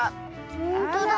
ほんとだ。